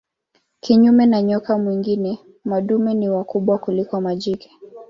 Kinyume na nyoka wengine madume ni wakubwa kuliko majike.